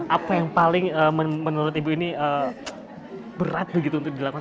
apa yang paling menurut ibu ini berat begitu untuk dilakukan